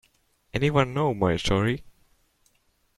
Anyone know Marjorie?